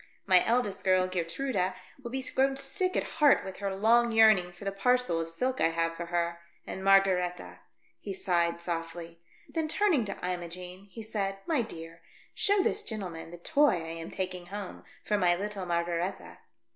My eldest girl, Geertruida, will be grown sick at heart with her long yearning for the parcel of silk I have for her. And Margaretha " he sighed, softly. Then turning to Imogene, he said, " My dear, show this gentleman the toy I am taking home for my little Mar garetha."